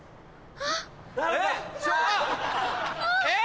あっ！